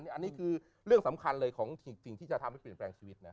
อันนี้คือเรื่องสำคัญเลยของสิ่งที่จะทำให้เปลี่ยนแปลงชีวิตนะ